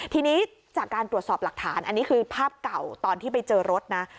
ทีนี้จากการตรวจสอบหลักฐานอันนี้คือภาพเก่าตอนที่ไปเจอรถนะ